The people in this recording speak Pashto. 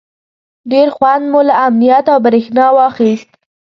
ډېر خوند مو له امنیت او برېښنا واخیست.